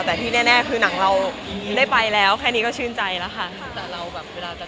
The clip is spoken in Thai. แต่ที่แน่คือหนังเราได้ไปแล้วแค่นี้ก็ชื่นใจแล้วค่ะ